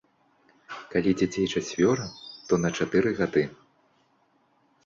Калі дзяцей чацвёра, то на чатыры гады.